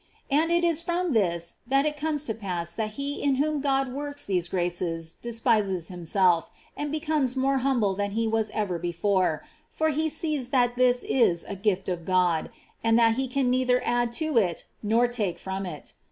And it is from this it comes to pass that he in whom God works these graces despises himself, and becomes more humble than he was ever before, for he sees that this is a gift of Grod, and that he can neither add to it nor take from it.